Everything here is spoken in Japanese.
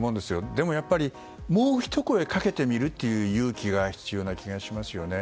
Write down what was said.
でも、やっぱりもうひと声かけてみるという勇気が必要な気がしますね。